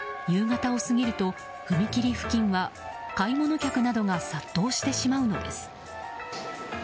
夕方を過ぎると踏切付近は買い物客などが殺到してしまうのです。